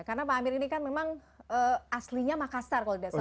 karena pak amir ini kan memang aslinya makassar kalau tidak salah